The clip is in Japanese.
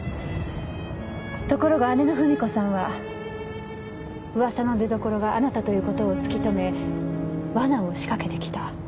ところが姉の文子さんは噂の出どころがあなたということを突きとめ罠を仕掛けてきた。